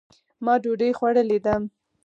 ما دوډۍ خوړلې ده